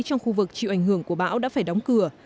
trong khu vực chịu ảnh hưởng của bão đã phải đóng cửa